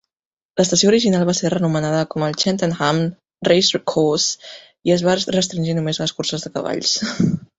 L'estació original va ser renomenada com el Cheltenham Racecourse i es va restringir només a les curses de cavalls.